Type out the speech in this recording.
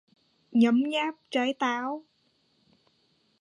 Nhấm nháp trái táo